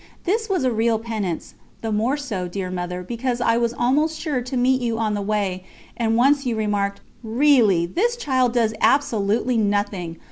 This was a real penance, the more so, dear Mother, because I was almost sure to meet you on the way, and once you remarked: "Really, this child does absolutely nothing.